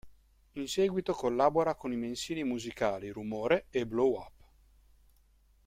In seguito collabora con i mensili musicali "Rumore" e "Blow Up".